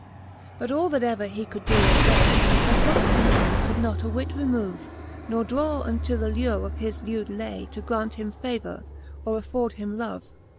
V. But all that ever he could doe or fay. Her conftant mynd could not a whit remove, Nor draw unto the lure of his lewd lay. To graunt him favour, or afford him love.